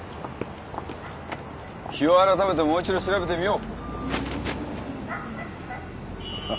日を改めてもう一度調べてみよう。